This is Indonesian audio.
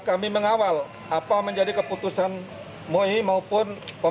karena kami jadi sasarannya